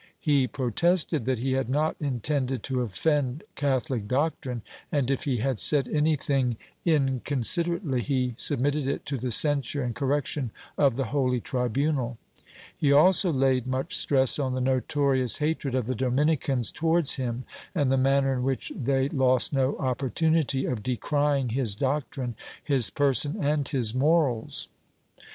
He protested that he had not intended to offend Catholic doctrine and, if he had said anything incon ' Garcia, Segundo Proceso, pp. 20 23, 29 30. 2 Ibidem, pp. 20 1, 26 7, 44. Chap. VII] LVIS DE LEON 161 siderately, he submitted it to the censure and correction of the holy tribunal. He also laid much stress on the notorious hatred of the Dominicans towards him, and the manner in which they lost no opportunity of decrying his doctrine, his person and his morals.